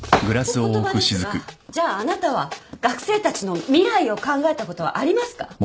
お言葉ですがじゃああなたは学生たちの未来を考えたことはありますか？